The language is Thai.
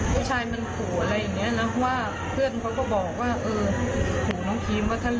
ผู้ชายมีผัวอะไรแบบนี้แล้วเพื่อนเขาก็บอกว่า